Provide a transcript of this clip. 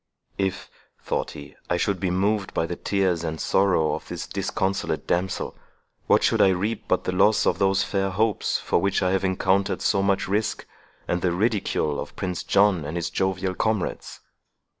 If, thought he, I should be moved by the tears and sorrow of this disconsolate damsel, what should I reap but the loss of these fair hopes for which I have encountered so much risk, and the ridicule of Prince John and his jovial comrades?